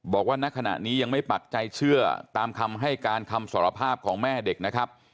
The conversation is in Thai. ณขณะนี้ยังไม่ปักใจเชื่อตามคำให้การคำสารภาพของแม่เด็กนะครับ